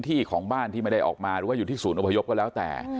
ของบ้านที่ไม่ได้ออกมาหรือว่าอยู่ที่ศูนย์อพยพก็แล้วแต่